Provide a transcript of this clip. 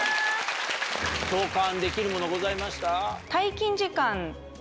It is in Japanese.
共感できるものございました？